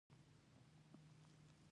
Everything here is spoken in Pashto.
د رومیانو خووړل د زړښت نښې ورو کوي.